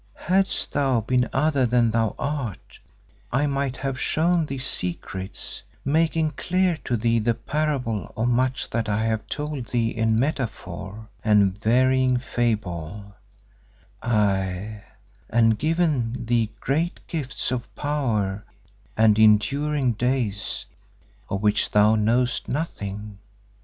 "Hadst thou been other than thou art, I might have shown thee secrets, making clear to thee the parable of much that I have told thee in metaphor and varying fable, aye, and given thee great gifts of power and enduring days of which thou knowest nothing.